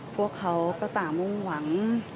พวกเขาก็ต่างมุ่งหวัง